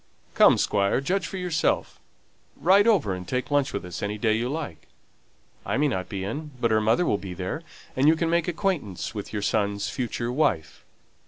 Come, Squire, judge for yourself. Ride over and take lunch with us any day you like. I may not be in; but her mother will be there, and you can make acquaintance with your son's future wife."